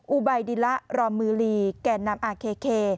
อุบัยดิละรอมือลีแก่นำอาเค